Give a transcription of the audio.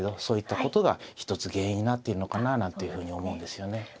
そういったことがひとつ原因になっているのかななんていうふうに思うんですよね。